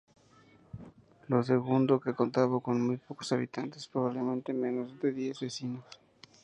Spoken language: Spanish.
Lo segundo que contaba con muy pocos habitantes, probablemente menos de diez vecinos.